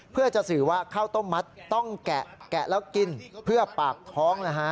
เพื่อจะสื่อว่าข้าวต้มมัดต้องแกะแล้วกินเพื่อปากท้องนะฮะ